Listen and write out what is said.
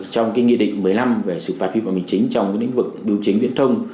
trong cái nghị định một mươi năm về sự phạt vi phạm hành chính trong cái lĩnh vực biểu chính viễn thông